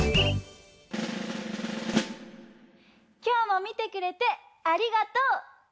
きょうもみてくれてありがとう！